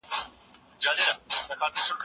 د مقالي لومړۍ بڼه پرون وکتل سوه.